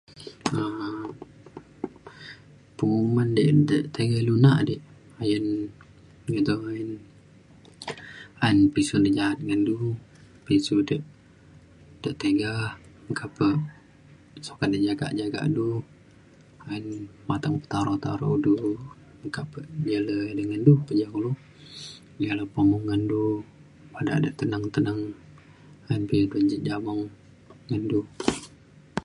um penguman de nta tiga ilu na adi ayen iu to ayen pisiu de jaa’t ngan du pisiu de de tiga meka pe sukat di jaga jaga du ayen mateng taro taro du meka pe ja le ngan du pa ja kulo ia le pemung ngan du bada de teneng teneng ayen pincit pincit jabeng ngan du